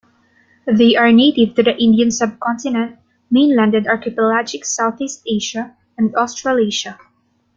They are native to the Indian subcontinent, mainland and archipelagic Southeast Asia, and Australasia.